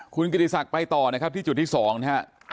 คุณกระดิษักไปต่อนะครับที่จุดที่สองนะครับ